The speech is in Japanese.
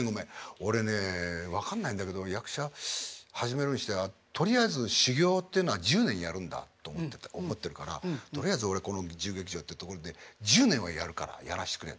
俺ねえ分かんないんだけど役者始めるにしてはとりあえず修業っていうのは１０年やるんだと思ってるからとりあえず俺この自由劇場ってところで１０年はやるからやらしてくれ。